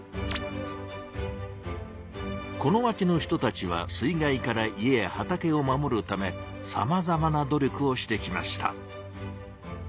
この町の人たちは水害から家や畑を守るためさまざまな努力をしてきました。